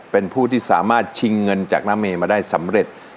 เป็นผู้ที่สามารถชิงเงินจากน้าเมย์มาได้สำเร็จ